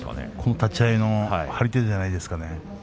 立ち合いの張り手じゃないでしょうかね。